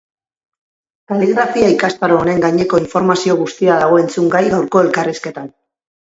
Kaligrafia ikastaro honen gaineko informazio guztia dago entzungai gaurko elkarrizketan.